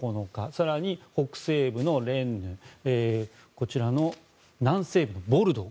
更に、北西部のレンヌこちらの南西部ボルドー